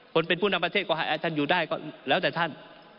คนเป็นผู้นำประเทศก็อยู่ได้แล้วแต่ท่าน